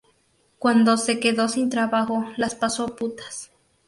Cuando se quedó sin trabajo, las pasó putas